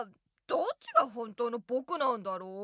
どっちが本当のぼくなんだろう？